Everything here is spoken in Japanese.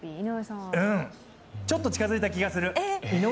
ちょっと近づいた気がする！